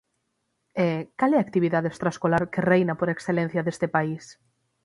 E ¿cal é a actividade extraescolar que reina por excelencia deste país?